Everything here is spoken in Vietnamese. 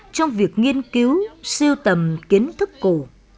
trong việc nghiên cứu siêu tầm kiến thức cổ